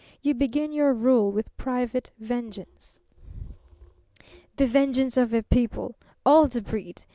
You begin your rule with private vengeance." "The vengeance of a people. All the breed.